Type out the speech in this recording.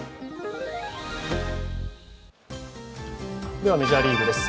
ではメジャーリーグです。